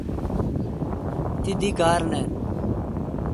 تی دی کار نان۔